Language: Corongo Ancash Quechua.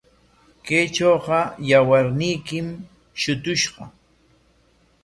Kaytrawqa yawarniykim shutushqa.